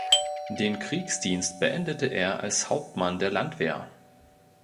Den Kriegsdienst beendete er als Hauptmann der Landwehr.